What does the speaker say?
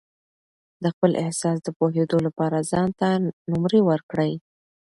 د خپل احساس د پوهېدو لپاره ځان ته نمرې ورکړئ.